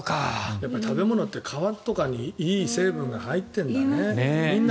やっぱり食べ物って皮とかにいい成分が入っているんだな。